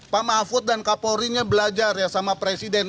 pak mahfud dan kapolrinya belajar ya sama presiden